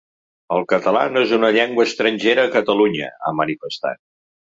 “El català no és una llengua estrangera a Catalunya”, ha manifestat.